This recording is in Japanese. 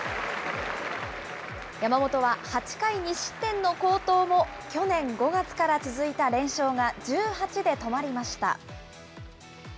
山本は８回２失点の好投も、去年５月から続いた連勝が１８で止まりました。